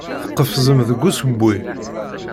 Tqefzem deg usewwi.